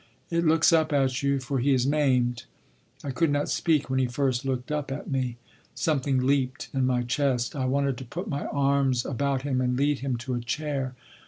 It looks up at you, for he is maimed. I could not speak when he first looked up at me. Something leaped in my chest. I wanted to put my arms about him and lead him to a chair.